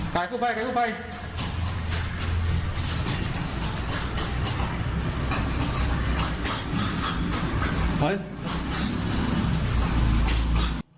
ใครคุณภัยใครคุณภัย